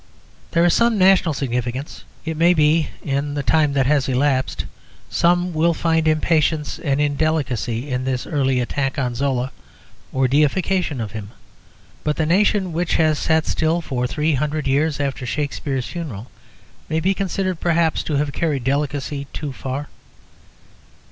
There is some national significance, it may be, in the time that has elapsed. Some will find impatience and indelicacy in this early attack on Zola or deification of him; but the nation which has sat still for three hundred years after Shakspere's funeral may be considered, perhaps, to have carried delicacy too far.